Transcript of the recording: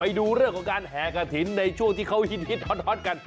ไปดูเรื่องของการแห่กระถิ่นในช่วงที่เขาฮินฮิตฮอตกัน